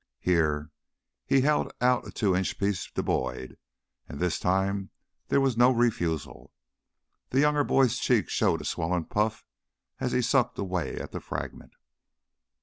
"Here " He held out a two inch piece to Boyd, and this time there was no refusal. The younger boy's cheek showed a swollen puff as he sucked away at the fragment.